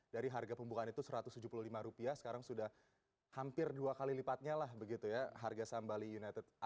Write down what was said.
dari harga pembukaan itu rp satu ratus tujuh puluh lima sekarang sudah hampir dua kali lipatnya lah begitu ya harga saham bali united